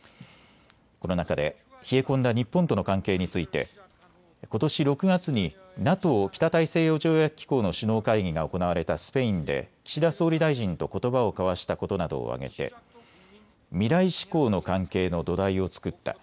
この中で冷え込んだ日本との関係についてことし６月にＮＡＴＯ・北大西洋条約機構の首脳会議が行われたスペインで岸田総理大臣とことばを交わしたことなどを挙げて未来志向の関係の土台を作った。